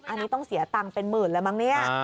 อันนี้ต้องเสียตังค์เป็นหมื่นแล้วมั้งเนี่ย